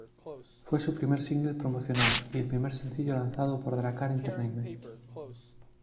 Fue su primer single promocional y el primer sencillo lanzado por Drakkar Entertainment.